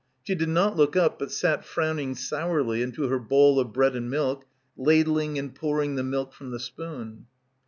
She did not look up but sat frowning sourly into her bowl of bread and milk, ladling and pouring the milk from the spoon.